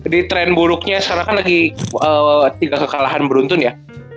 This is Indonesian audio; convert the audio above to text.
di tren buruknya sekarang kan lagi tiga kekalahan beruntun ya